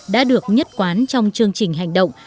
đã được nhất quán trong chương trình hành động